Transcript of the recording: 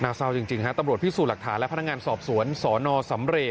เศร้าจริงฮะตำรวจพิสูจน์หลักฐานและพนักงานสอบสวนสนสำเร